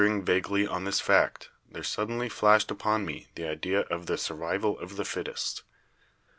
i82 BIOLOGY vaguely on this fact, there suddenly flashed upon me the idea of the survival of the fittest.